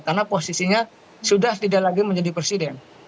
karena posisinya sudah tidak lagi menjadi presiden